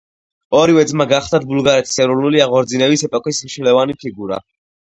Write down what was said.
ორივე ძმა გახლდათ ბულგარეთის ეროვნული აღორძინების ეპოქის მნიშვნელოვანი ფიგურა.